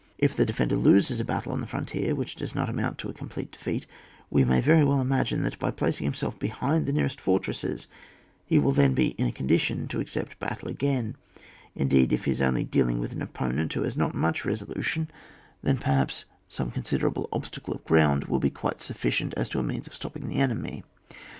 If the defender loses a battle on the frontier, which does not amount to a com plete defeat, we may very well imagine that, by placing himself behind the nearest fortress, he will then be in a condition to accept battle again; indeed, if he is only dealing with an opponent who has not much resolution, then, per haps, some considerable obstacle of ground will be quite sufficient as a means of stopping the enemy.